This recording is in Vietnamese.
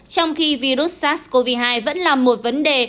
trong khi virus sars cov hai vẫn là một vấn đề